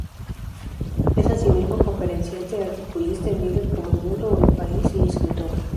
Es, asimismo, conferenciante, articulista en diarios como "El Mundo" o "El País" y escritora.